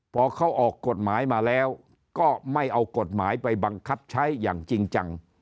พอเขาออกกฎหมายมาแล้วก็ไม่เอากฎหมายไปบังคับใช้อย่างจริงจัง